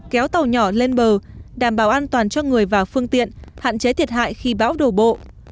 kéo tàu nhỏ lên bờ đảm bảo an toàn cho người và phương tiện hạn chế thiệt hại khi bão đổ bộ